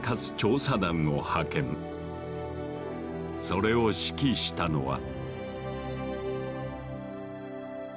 それを指揮したのは。